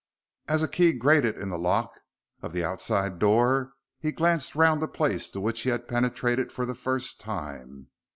As a key grated in the lock of the outside door he glanced round the place to which he had penetrated for the first time.